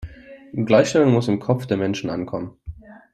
Gleichstellung muss im Kopf der Menschen ankommen.